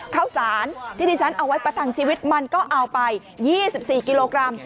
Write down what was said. ข้าวสารที่ที่ฉันเอาไว้ประทังชีวิตมันก็เอาไป๒๔กิโลกรัม